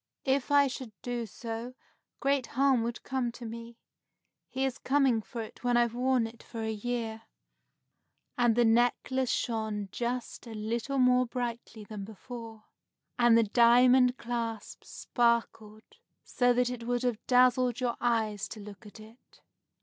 "If I should do so, great harm would come to me. He is coming for it when I've worn it for a year." And the necklace shone just a little more brightly than before, and the diamond clasp sparkled so that it would have dazzled your eyes to look at it.